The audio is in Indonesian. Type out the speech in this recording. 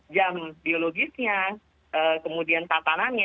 jam biologisnya kemudian tatanannya